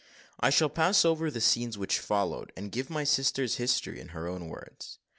I shall pass over the scenes which followed, and give my sister's history in her own words.